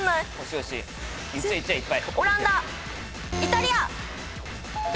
オランダイタリア！